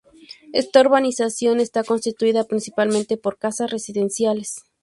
Esta urbanización está constituida, principalmente, por casas residenciales.